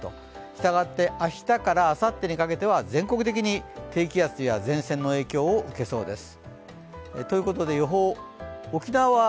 したがって明日からあさってにかけては、全国的に低気圧や前線の影響を受けそうです。